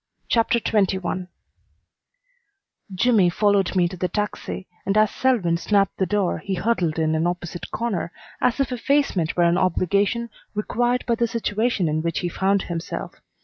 CHAPTER XXI Jimmy followed me into the taxi, and as Selwyn snapped the door he huddled in an opposite corner as if effacement were an obligation required by the situation in which he found himself.